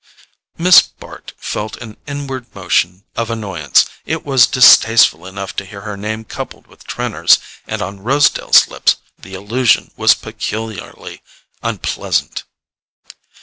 Miss Bart felt an inward motion of annoyance: it was distasteful enough to hear her name coupled with Trenor's, and on Rosedale's lips the allusion was peculiarly unpleasant.